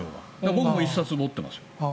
僕も１冊持ってます。